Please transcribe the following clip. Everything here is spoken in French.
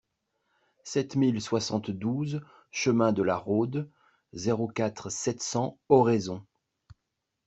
sept mille soixante-douze chemin de la Rhôde, zéro quatre, sept cents, Oraison